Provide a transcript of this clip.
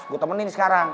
gue temenin sekarang